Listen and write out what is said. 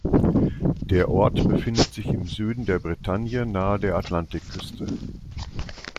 Der Ort befindet sich im Süden der Bretagne nahe der Atlantikküste.